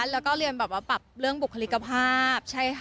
แล้วก็เรียนแบบว่าปรับเรื่องบุคลิกภาพ